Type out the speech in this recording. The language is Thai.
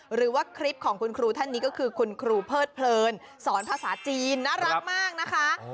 หรือว่าคลิปของคุณครูท่านนี้ก็คือคุณครูเพิดเพลินสอนภาษาจีนน่ารักมากนะคะ